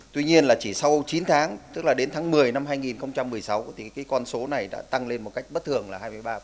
tuy nhiên là chỉ sau chín tháng tức là đến tháng một mươi năm hai nghìn một mươi sáu thì cái con số này đã tăng lên một cách bất thường là hai mươi ba